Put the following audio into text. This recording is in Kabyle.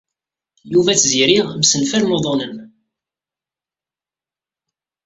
Yuba ed Tiziri msenfalen uḍḍunen.